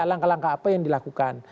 langkah langkah apa yang dilakukan